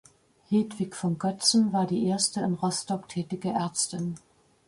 Hedwig von Goetzen war die erste in Rostock tätige Ärztin.